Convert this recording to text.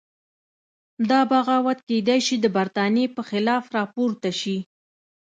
دا بغاوت کېدای شي د برتانیې په خلاف راپورته شي.